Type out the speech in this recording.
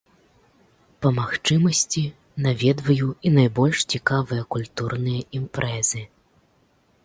Па магчымасці наведваю і найбольш цікавыя культурныя імпрэзы.